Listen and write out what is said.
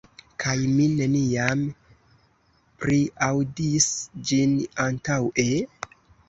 Kaj mi neniam priaŭdis ĝin antaŭe?"